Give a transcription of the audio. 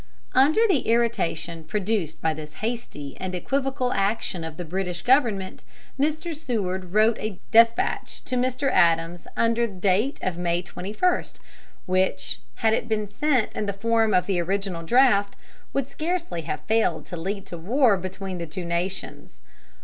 Under the irritation produced by this hasty and equivocal action of the British government, Mr. Seward wrote a despatch to Mr. Adams under date of May 21, which, had it been sent in the form of the original draft, would scarcely have failed to lead to war between the two nations.